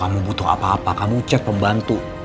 kamu butuh apa apa kamu chat pembantu